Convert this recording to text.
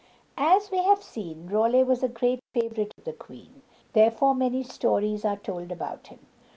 As we have seen, Raleigh was a great favorite of the queen, therefore many stories are told about him.